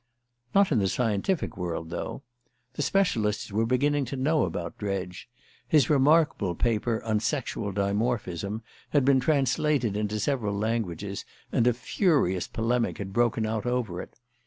Not in the scientific world, though. The specialists were beginning to know about Dredge. His remarkable paper on Sexual Dimorphism had been translated into several languages, and a furious polemic had broken out over it.